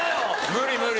無理無理。